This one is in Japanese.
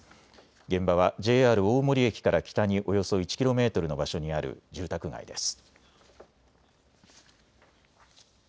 現場はＪＲ大森駅から北におよそ１キロメートルの場所にある住宅街です。